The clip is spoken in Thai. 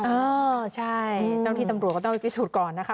เออใช่เจ้าที่ตำรวจก็ต้องไปพิสูจน์ก่อนนะคะ